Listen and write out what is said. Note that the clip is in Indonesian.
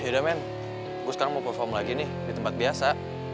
yaudah men gue sekarang mau perform lagi nih di tempat biasa